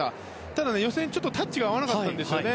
ただ、予選はちょっとタッチが合わなかったんですよね。